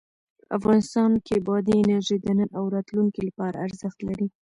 افغانستان کې بادي انرژي د نن او راتلونکي لپاره ارزښت لري.